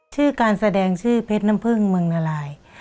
ชื่อการแสดงชื่อเพชรน้ำพึ่งเมืองนาราย